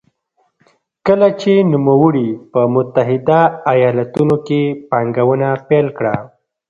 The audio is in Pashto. کله چې نوموړي په متحده ایالتونو کې پانګونه پیل کړه.